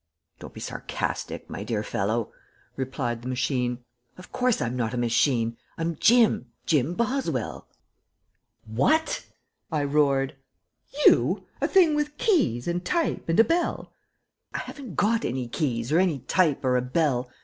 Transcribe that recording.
"Don't be sarcastic, my dear fellow," replied the machine. "Of course I'm not a machine; I'm Jim Jim Boswell." "What?" I roared. "You? A thing with keys and type and a bell " "I haven't got any keys or any type or a bell.